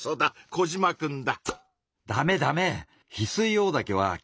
コジマくんだ。